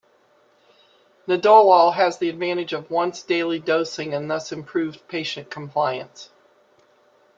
Nadolol has the advantage of once daily dosing and thus improved patient compliance.